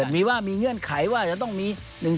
มีว่ามีเงื่อนไขว่าจะต้องมี๑๒